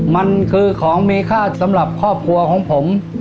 มันคือของมีค่าสำหรับครอบครัวของผม